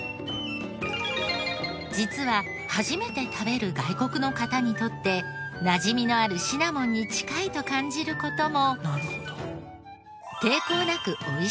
実は初めて食べる外国の方にとってなじみのあるシナモンに近いと感じる事も。